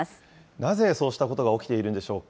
なぜそうしたことが起きているんでしょうか。